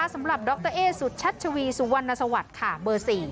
สำหรับดรเอ๊สุชัชวีสุวรรณสวัสดิ์ค่ะเบอร์๔